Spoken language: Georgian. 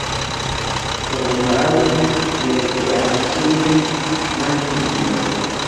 პოპულარული რეკრეაციული მარშრუტია.